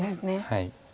はい。